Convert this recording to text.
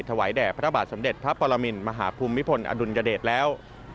แด่พระบาทสมเด็จพระปรมินมหาภูมิพลอดุลยเดชแล้ว